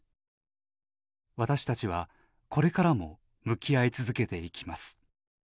私たちはこれからも向き合い続けていきます。